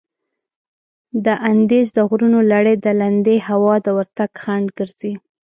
د اندیز د غرونو لړي د لندې هوا د ورتګ خنډ ګرځي.